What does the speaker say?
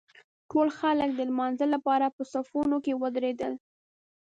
ټول خلک د لمانځه لپاره په صفونو کې ودرېدل.